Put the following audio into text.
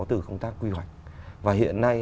từ công tác quy hoạch và hiện nay